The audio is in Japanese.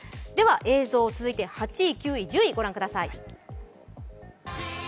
映像続いて、８位、９位、１０位御覧ください。